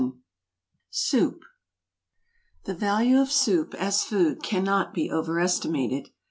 SOUP. The value of soup as food cannot be overestimated.